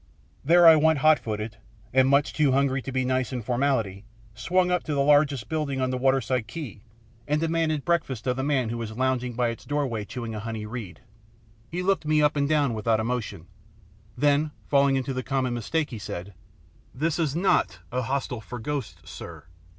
There I went hot footed, and, much too hungry to be nice in formality, swung up to the largest building on the waterside quay and demanded breakfast of the man who was lounging by its doorway chewing a honey reed. He looked me up and down without emotion, then, falling into the common mistake, said, "This is not a hostel for ghosts, sir.